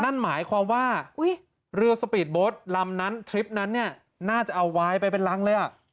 นั่นหมายความว่าเรือสปีดโบสต์ลำนั้นทริปนั้นเนี่ยน่าจะเอาวายไปเป็นรังเลย